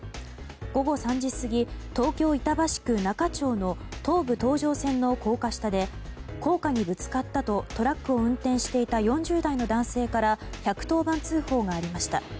午後３時過ぎ東京・板橋区仲町の東武東上線の高架下で高架にぶつかったとトラックを運転していた４０代の男性から１１０番通報がありました。